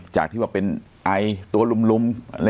จากที่ว่าเป็นไอตัวลุม